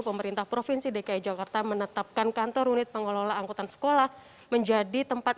pemerintah provinsi dki jakarta menetapkan kantor unit pengelola angkutan sekolah menjadi tempat